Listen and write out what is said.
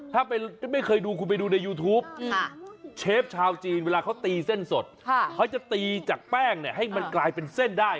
ถ้าไม่เคยดูคุณไปดูในยูทูปเชฟชาวจีนเวลาเขาตีเส้นสดเขาจะตีจากแป้งเนี่ยให้มันกลายเป็นเส้นได้